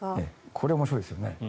これ面白いですよね。